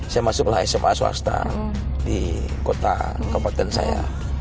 saya masuklah sma swasta di kota kabupaten saya